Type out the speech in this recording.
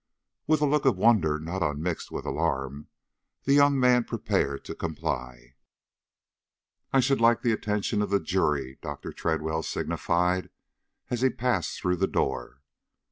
With a look of wonder not unmixed with alarm, the young man prepared to comply. "I should like the attention of the jury," Dr. Tredwell signified as he passed through the door.